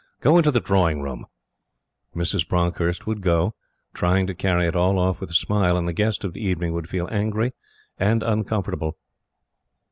Go into the drawing room." Mrs. Bronckhorst would go, trying to carry it all off with a smile; and the guest of the evening would feel angry and uncomfortable.